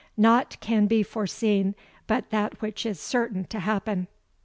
Nought can be foreseen but that which is certain to happen."